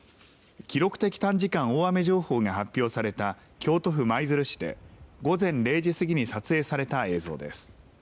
記録的短時間大雨情報が発表された京都府舞鶴市で、午前０時過ぎに撮影された映像です。